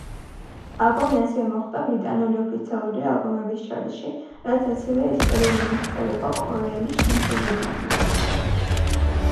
ალბომი ასევე მოხვდა ბრიტანული ოფიციალური ალბომების ჩარტში, რაც ასევე ისტორიული მიღწევა იყო კორეელი შემსრულებლისთვის.